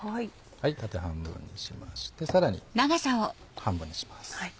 縦半分にしましてさらに半分にします。